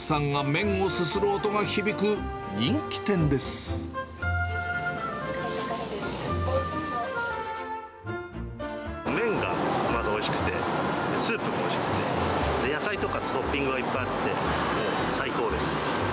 麺がまずおいしくて、スープもおいしくて、野菜とかトッピングがいっぱいあって、最高です。